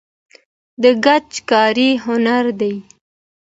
د ګچ کاري هنر دی